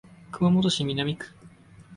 熊本市南区